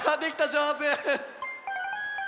じょうず！